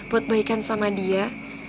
buat baikan sama dia